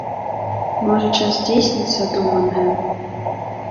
Можа, час здзейсніць задуманае?